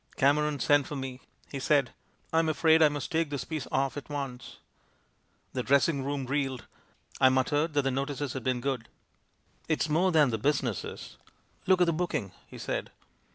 "Cameron sent for me; he said: " 'I'm afraid I must take this piece off at once.' "The dressing room reeled. I muttered that the notices had been good. " 'It's more than the business is. Look at the booking!' he said.